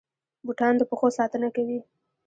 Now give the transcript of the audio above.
بوټان د پښو ساتنه کوي